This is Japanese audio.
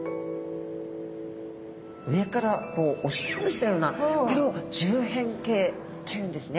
上からこう押し潰したようなこれを縦扁形というんですね。